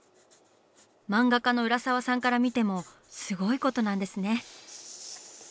漫画家の浦沢さんから見てもすごいことなんですね。